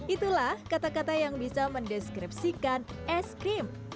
itulah kata kata yang bisa mendeskripsikan es krim